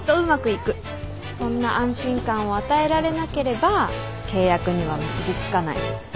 そんな安心感を与えられなければ契約には結び付かない。